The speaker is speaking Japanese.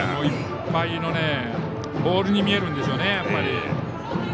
いっぱいのボールに見えるんでしょうね。